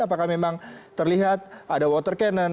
apakah memang terlihat ada water cannon